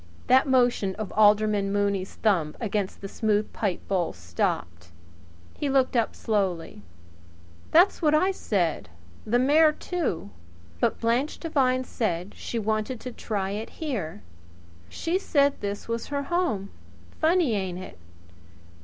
That motion of Alderman Mooney's thumb against the smooth pipebowl stopped. He looked up slowly. "That's what I said the mayor too. But Blanche Devine said she wanted to try it here. She said this was home to her. Funny ain't it?